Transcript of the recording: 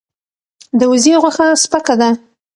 د وزې غوښه سپکه ده.